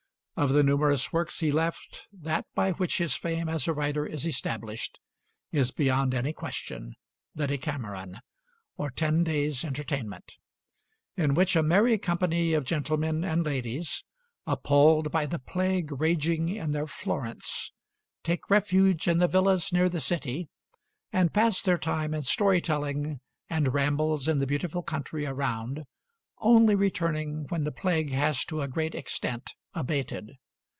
Of the numerous works he left, that by which his fame as a writer is established is beyond any question the 'Decameron,' or Ten Days' Entertainment; in which a merry company of gentlemen and ladies, appalled by the plague raging in their Florence, take refuge in the villas near the city, and pass their time in story telling and rambles in the beautiful country around, only returning when the plague has to a great extent abated.